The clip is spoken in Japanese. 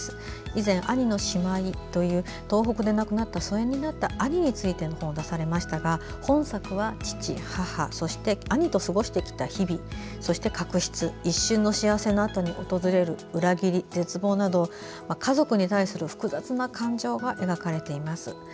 以前「兄の終い」という東北で亡くなった疎遠になった兄についての本を出されましたが本作は父、母そして兄と過ごしてきた日々確執、一瞬の幸せのあとに訪れる裏切り、絶望など家族に対する複雑な感情が描かれています。